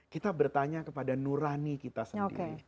kita bertanya kepada nurani kita sendiri